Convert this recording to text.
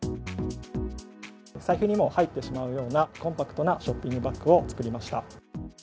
お財布にも入ってしまうようなコンパクトなショッピングバッグを作りました。